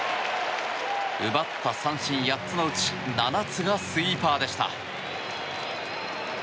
奪った三振８つのうち７つがスイーパーでした。